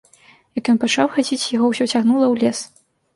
Як ён пачаў хадзіць, яго ўсё цягнула ў лес.